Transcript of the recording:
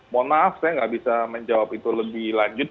mohon maaf saya nggak bisa menjawab itu lebih lanjut